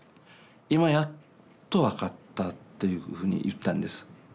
今やっと分かった」っていうふうに言ったんです。